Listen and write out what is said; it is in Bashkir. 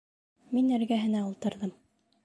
Мин эргәһенә ултырҙым.